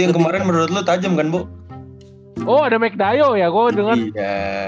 yang kemarin menurut lo tajam kan bu oh ada mcdayo ya gue dengernya ya